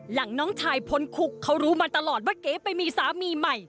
น้องชายพ้นคุกเขารู้มาตลอดว่าเก๋ไปมีสามีใหม่